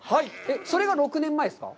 それが６年前ですか？